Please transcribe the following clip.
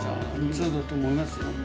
そうだと思います